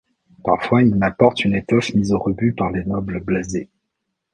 Parfois il m’apporte une étoffe mise au rebut par les nobles blasés.